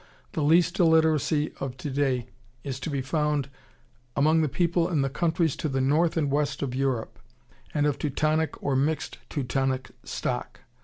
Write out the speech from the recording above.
The least illiteracy today is to be found among the people in the countries to the north and west of Europe, and of Teutonic or mixed Teutonic stock.